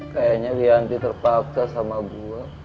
kayaknya bianti terpaksa sama gua